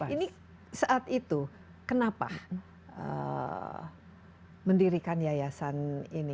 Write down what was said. ini saat itu kenapa mendirikan yayasan ini